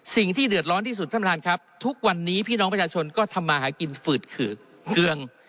สิ่งที่เดือดร้อนที่สุดท่านประธานครับทุกวันนี้พี่น้องประชาชนก็ทำมาหากินฝืดขือกเกือง